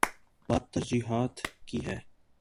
بات ترجیحات کی ہے۔